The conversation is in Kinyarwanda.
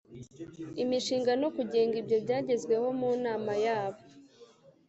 imushinga no kugenga ibyo byagezweho munama yabo